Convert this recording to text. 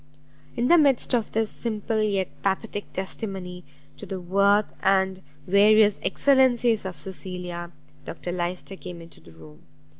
In the midst of this simple yet pathetic testimony, to the worth and various excellencies of Cecilia, Dr Lyster came into the room.